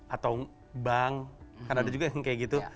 atau bank kan ada juga yang kayak gitu